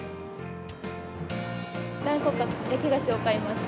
何個か焼き菓子を買いました。